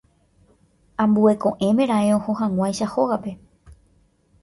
Ambue ko'ẽme raẽ ohohag̃uáicha hógape.